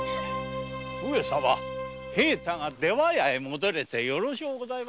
平太が「出羽屋」へ戻れてよろしゅうございましたな。